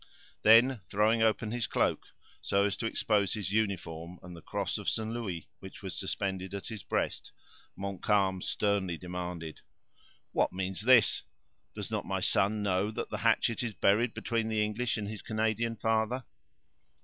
Then throwing open his cloak, so as to expose his uniform and the cross of St. Louis which was suspended at his breast, Montcalm sternly demanded: "What means this? Does not my son know that the hatchet is buried between the English and his Canadian Father?"